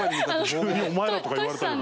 急に「お前ら」とか言われたけど。